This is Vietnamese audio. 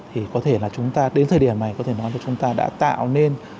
thì có thể là chúng ta đến thời điểm này có thể nói là chúng ta đã tạo nên